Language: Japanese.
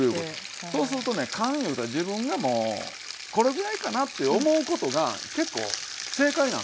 そうするとね勘いうて自分がもうこれぐらいかなって思うことが結構正解なんですよ。